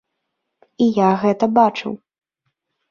І я гэта бачыў.